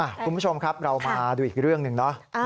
คุณผู้ชมครับเรามาดูอีกเรื่องหนึ่งเนาะ